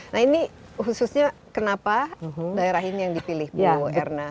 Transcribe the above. nah ini khususnya kenapa daerah ini yang dipilih bu erna